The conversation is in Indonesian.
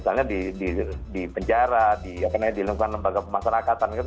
misalnya di penjara di lingkungan lembaga pemasarakatan